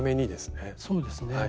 そうですね。